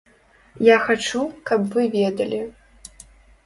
Я хачу, каб вы ведалі.